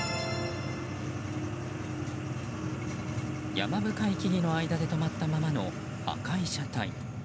山深い木々の間で止まったままの赤い車体。